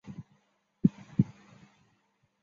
在现代它是极罕见的姓氏。